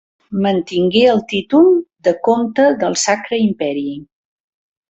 Mantingué el títol de comte del sacre imperi.